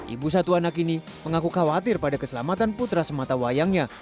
ibu satu anak ini mengaku khawatir pada keselamatan putra sematawayangnya